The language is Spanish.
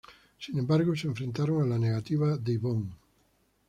Sin embargo, se enfrentaron a la negativa de Ivonne.